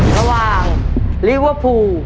ระหว่างลิเวอร์พูล